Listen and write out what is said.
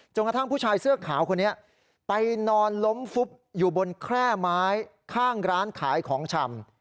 กระทั่งผู้ชายเสื้อขาวคนนี้ไปนอนล้มฟุบอยู่บนแคร่ไม้ข้างร้านขายของชำ